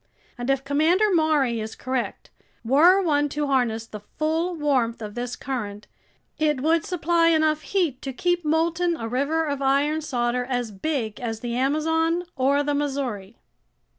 And if Commander Maury is correct, were one to harness the full warmth of this current, it would supply enough heat to keep molten a river of iron solder as big as the Amazon or the Missouri."